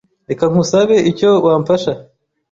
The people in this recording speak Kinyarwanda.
reka nkusabe icyo wamfasha